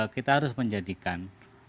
kita harus menjadikan